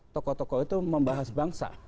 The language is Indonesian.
tokoh tokoh itu membahas bangsa